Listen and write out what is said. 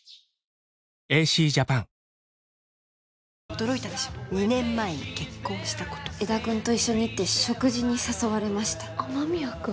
驚いたでしょ２年前に結婚したこと江田くんと一緒にって食事に誘われました雨宮くん？